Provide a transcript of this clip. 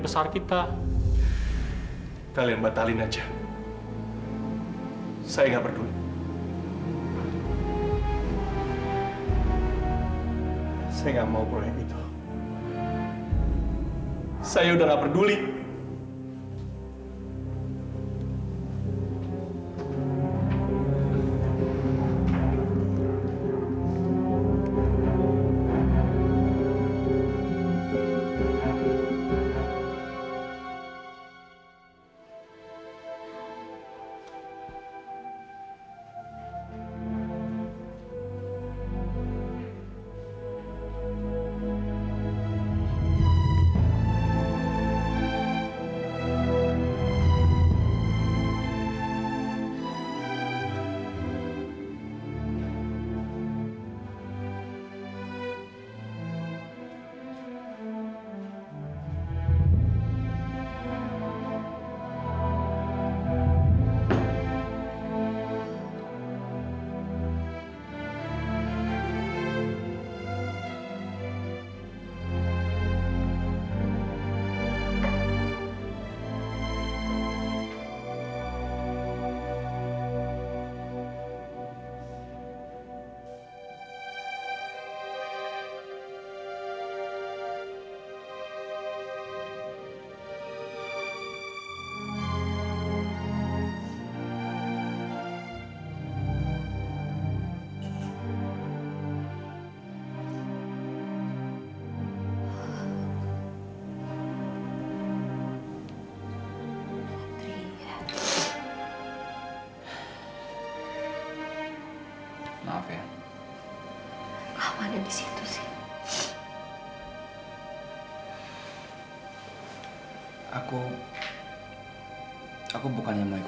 terima kasih banyak banyak